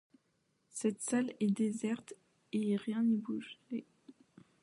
Cette salle était déserte et rien n’y bougeait.